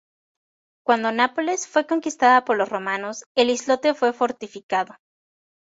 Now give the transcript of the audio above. Cuando Nápoles fue conquistada por los romanos, el islote fue fortificado.